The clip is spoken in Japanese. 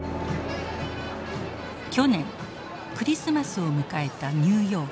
去年クリスマスを迎えたニューヨーク。